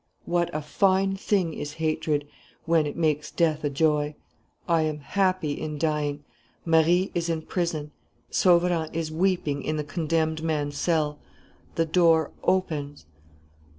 What a fine thing is hatred, when it makes death a joy! I am happy in dying. Marie is in prison. Sauverand is weeping in the condemned man's cell. The door opens....